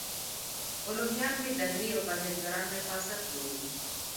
الهیان مې دهري او پرهېزګاران مې فاسق بولي.